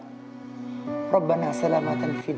tuhan selamat di dalam diri